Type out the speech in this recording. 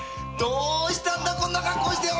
どうしたんだよ